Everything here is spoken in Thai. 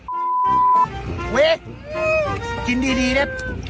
เฮ้ยกินดีนะ